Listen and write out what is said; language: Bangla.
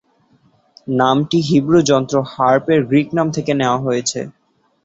নামটি হিব্রু যন্ত্র হার্প-এর গ্রিক নাম থেকে নেয়া হয়েছে।